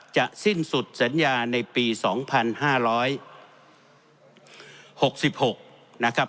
จะสิ้นสุดสัญญาในปีสองพันห้าร้อยหกสิบหกนะครับ